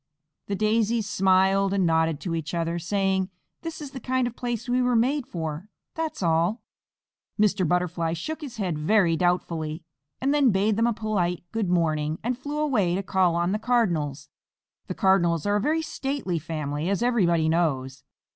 The Daisies smiled and nodded to each other, saying, "This is the kind of place we were made for, that's all." Mr. Butterfly shook his head very doubtfully, and then bade them a polite "Good morning," and flew away to call on the Cardinals. The Cardinals are a very stately family, as everybody knows.